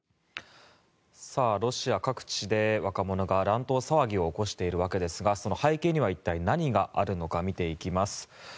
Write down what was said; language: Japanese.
ロシア各地で若者が乱闘騒ぎを起こしているわけですがその背景には一体何があるのか見ていきます。